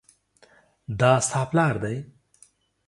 دا ستا پلار دی؟